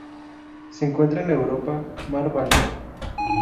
Se encuentra en Europa: Mar Báltico.